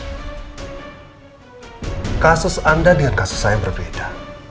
perkara antara anda dan perkara saya berbeda